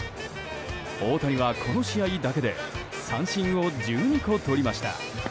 大谷はこの試合だけで三振を１２個取りました。